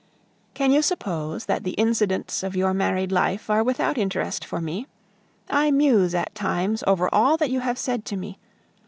Can you suppose that the incidents of your married life are without interest for me? I muse at times over all that you have said to me.